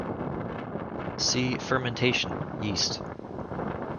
See Fermentation, Yeast.